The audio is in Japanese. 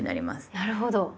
なるほど。